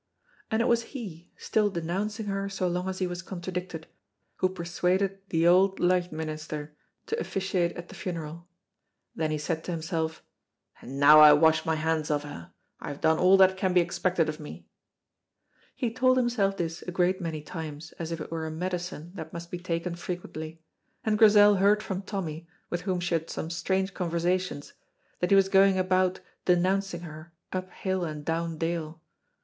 And it was he, still denouncing her so long as he was contradicted, who persuaded the Auld Licht Minister to officiate at the funeral. Then he said to himself, "And now I wash my hands of her, I have done all that can be expected of me." He told himself this a great many times as if it were a medicine that must be taken frequently, and Grizel heard from Tommy, with whom she had some strange conversations, that he was going about denouncing her "up hill and down dale."